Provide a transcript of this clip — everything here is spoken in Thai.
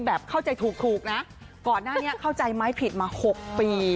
เข้าใจถูกนะก่อนหน้านี้เข้าใจไหมผิดมา๖ปี